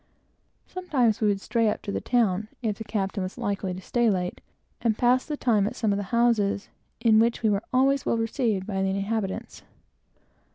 Sometimes we would stray up to the town, if the captain was likely to stay late, and pass the time at some of the houses, in which we were almost always well received by the inhabitants.